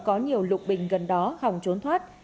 có nhiều lục bình gần đó hòng trốn thoát